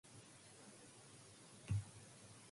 The races were planned primarily to entertain the farmers.